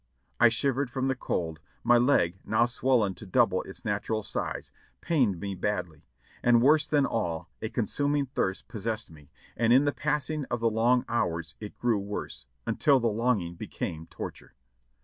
I shivered from the cold ; my leg, now swollen to double its natural size, pained me badly, and worse than all a consuming thirst possessed me, and in the passing of the long hours it grew worse, until the longing became torture.